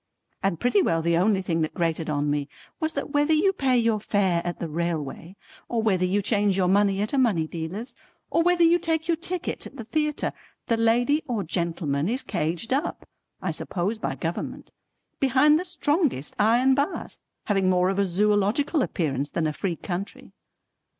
And pretty well the only thing that grated on me was that whether you pay your fare at the railway or whether you change your money at a money dealer's or whether you take your ticket at the theatre, the lady or gentleman is caged up (I suppose by government) behind the strongest iron bars having more of a Zoological appearance than a free country.